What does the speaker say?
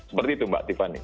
seperti itu mbak tiffany